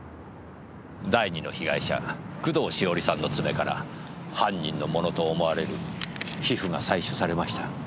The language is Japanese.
第２の被害者工藤しおりさんの爪から犯人のものと思われる皮膚が採取されました。